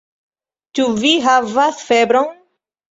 Ĉu vi havas febron?